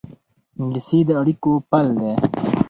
انګلیسي د اړیکو پُل دی